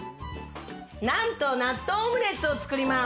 なんと納豆オムレツを作ります。